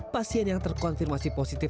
pasien yang terkonfirmasi positif